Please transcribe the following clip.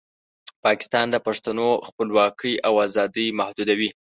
پاکستان د پښتنو خپلواکۍ او ازادۍ محدودوي.